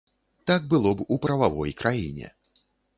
Так было б у прававой краіне.